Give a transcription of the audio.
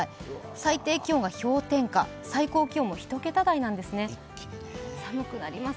最低気温が氷点下、最高気温も１桁台なんですね、寒くなります。